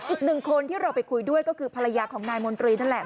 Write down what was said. อีกหนึ่งคนที่เราไปคุยด้วยก็คือภรรยาของนายมนตรีนั่นแหละ